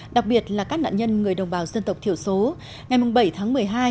đặc biệt là các nạn nhân người đồng bào dân tộc thiểu số ngày bảy tháng một mươi hai